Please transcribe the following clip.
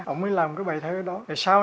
ông mới làm cái bài thơ đó